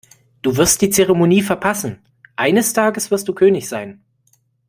Du wirst die Zeremonie verpassen. Eines Tages wirst du König sein.